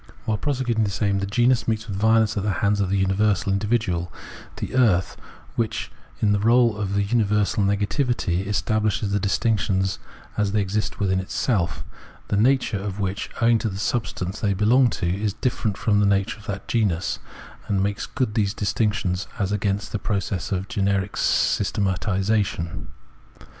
While prosecuting this aim, the genus meets with violence at the hands of the universal individual, the earth,* which in the role of universal negativity establishes the distinctions as they exist within itself, — the nature of which, owing to the substance they belong to, is different from the nature of that genus, — and makes good these distinctions as against the process of generic systematisation.